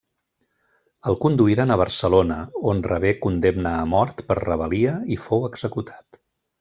El conduïren a Barcelona, on rebé condemna a mort per rebel·lia i fou executat.